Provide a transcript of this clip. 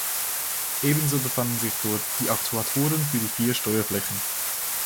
Ebenso befanden sich dort die Aktuatoren für die vier Steuerflächen.